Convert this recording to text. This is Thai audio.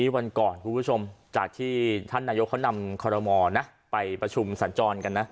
วันก่อนคุณผู้ชมจากที่ท่านนายกเขานำคอรมอลนะไปประชุมสัญจรกันนะ